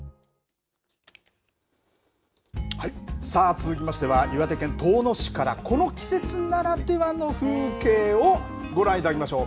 続きましては、岩手県遠野市から、この季節ならではの風景をご覧いただきましょう。